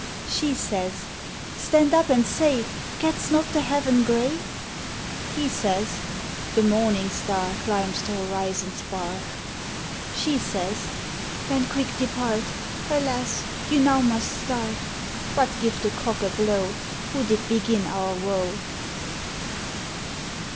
She says, "Stand up and say, Gets not the heaven gray?" He says, "The morning star Climbs the horizon's bar." She says, "Then quick depart: Alas! you now must start; But give the cock a blow Who did begin our woe!"